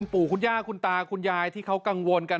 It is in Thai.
ปู่คุณย่าคุณตาคุณยายที่เขากังวลกัน